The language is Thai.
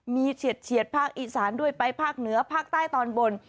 มีเฉียดภาคอีสานด้วยไปภาคเหนือภาคใต้ตอนบน